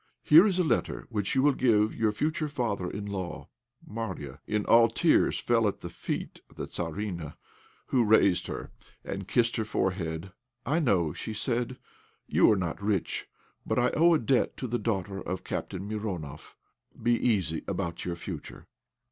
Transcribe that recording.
Here is a letter which you will give your future father in law." Marya, all in tears, fell at the feet of the Tzarina, who raised her, and kissed her forehead. "I know," said she, "you are not rich, but I owe a debt to the daughter of Captain Mironoff. Be easy about your future."